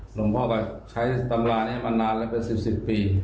หลวงพ่อไปใช้ตำรานี้มานานแล้วเป็น๑๐ปี